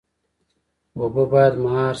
اوبه باید مهار شي